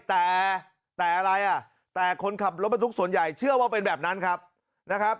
แต่แต่อะไรอ่ะแต่คนขับรถบรรทุกส่วนใหญ่เชื่อว่าเป็นแบบนั้นครับนะครับ